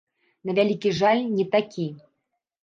На вялікі жаль, не такі.